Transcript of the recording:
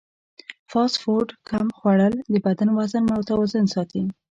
فاسټ فوډ کم خوړل د بدن وزن متوازن ساتي.